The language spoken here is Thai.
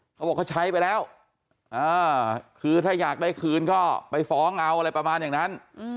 เขาบอกเขาใช้ไปแล้วคือถ้าอยากได้คืนก็ไปฟ้องเอาอะไรประมาณอย่างนั้น